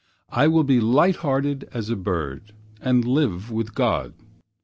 I will be Light hearted as a bird, and live with God.